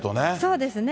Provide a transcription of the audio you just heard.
そうですね。